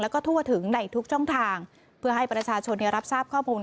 แล้วก็ทั่วถึงในทุกช่องทางเพื่อให้ประชาชนรับทราบข้อมูล